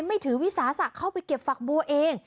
ไม่ถือวิสาสะเข้าไปเก็บฝักบัวเอง